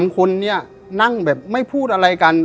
๓คนนี้นั่งแบบไม่พูดอะไรกัน